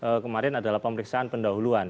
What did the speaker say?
baru tahap kemarin adalah pemeriksaan pendahuluan